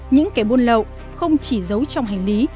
những kẻ buôn lậu không chỉ giấu trong hành lý